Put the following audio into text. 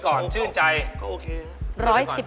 หลุนชื่นใจ